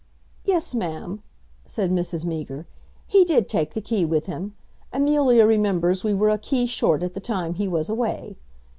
"Yes, Ma'am," said Mrs. Meager, "he did take the key with him. Amelia remembers we were a key short at the time he was away."